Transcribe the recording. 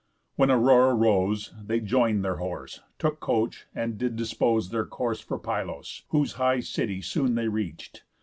When Aurora rose, They join'd their horse, took coach, and did dispose Their course for Pylos; whose high city soon They reach'd.